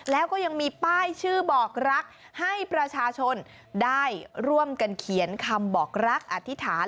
แล้วก็ยังมีป้ายชื่อบอกรักให้ประชาชนได้ร่วมกันเขียนคำบอกรักอธิษฐาน